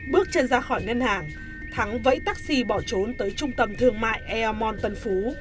bước chân ra khỏi ngân hàng thắng vẫy taxi bỏ trốn tới trung tâm thương mại eamon tân phú